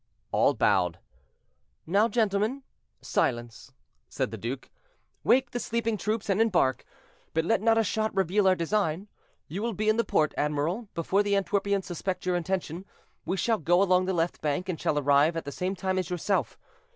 All bowed. "Now, gentlemen, silence," said the duke; "wake the sleeping troops, and embark; but let not a shot reveal our design. You will be in the port, admiral, before the Antwerpians suspect your intention. We shall go along the left bank, and shall arrive at the same time as yourself.